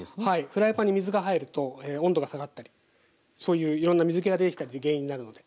フライパンに水が入ると温度が下がったりそういういろんな水けが出てきたり原因になるので。